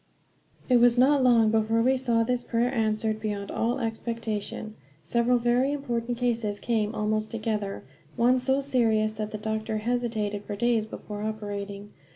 It was not long before we saw this prayer answered beyond all expectation. Several very important cases came almost together, one so serious that the doctor hesitated for days before operating.